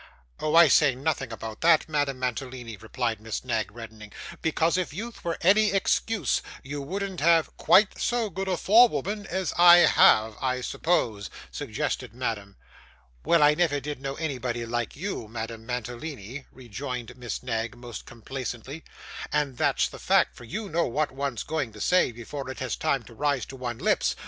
'Oh, I say nothing about that, Madame Mantalini,' replied Miss Knag, reddening; 'because if youth were any excuse, you wouldn't have ' 'Quite so good a forewoman as I have, I suppose,' suggested Madame. 'Well, I never did know anybody like you, Madame Mantalini,' rejoined Miss Knag most complacently, 'and that's the fact, for you know what one's going to say, before it has time to rise to one's lips.